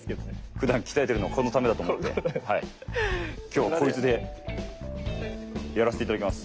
ふだん鍛えてるのはこのためだと思って今日こいつでやらせて頂きます。